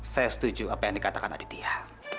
saya setuju apa yang dikatakan aditya